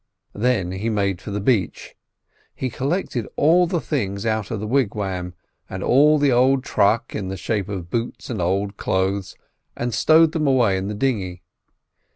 Then he made for the beach; he collected all the things out of the wigwam, and all the old truck in the shape of boots and old clothes, and stowed them away in the dinghy.